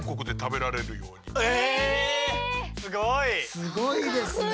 すごいですね。